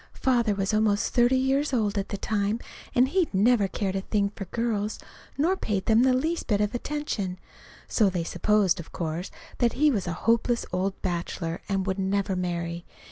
Father was almost thirty years old at that time, and he'd never cared a thing for girls, nor paid them the least little bit of attention. So they supposed, of course, that he was a hopeless old bachelor and wouldn't ever marry.